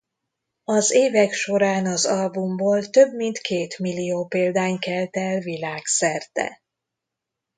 Az évek során az albumból több mint kétmillió példány kelt el világszerte.